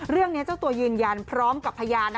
เรื่องนี้เจ้าตัวยืนยันพร้อมกับพยาน